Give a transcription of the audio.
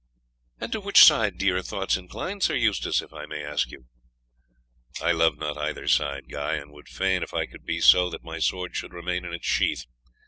"And to which side do your thoughts incline, Sir Eustace, if I may ask you?" "I love not either side, Guy, and would fain, if it could be so, that my sword should remain in its sheath.